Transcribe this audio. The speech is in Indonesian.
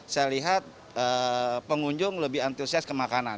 saya lihat pengunjung lebih antusias ke makanan